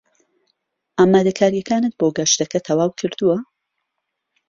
ئامادەکارییەکانت بۆ گەشتەکە تەواو کردووە؟